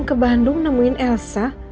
bisa di cek dulu